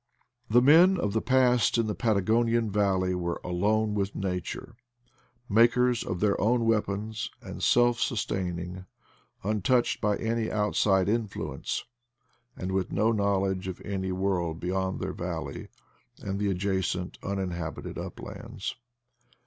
The men of the past in the Patagonian valley were alone with nature, makers of their own weapons and self sustaining, untouched by any outside in fluence, and with no knowledge of any world be yond their valley and the adjacent uninhabited uplands.